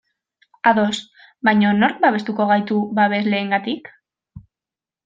Ados, baina nork babestuko gaitu babesleengandik?